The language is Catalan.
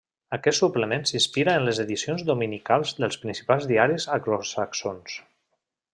Aquest suplement s'inspira en les edicions dominicals dels principals diaris anglosaxons.